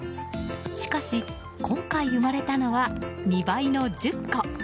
しかし今回生まれたのは２倍の１０個。